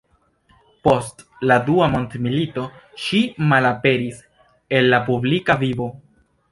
Post la dua mondmilito ŝi malaperis el la publika vivo.